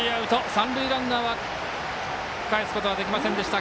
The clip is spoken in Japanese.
三塁ランナーはかえすことができませんでした。